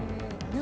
何？